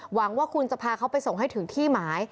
หวังว่าคุณจะพาเขาไปส่งให้ถึงที่หมาย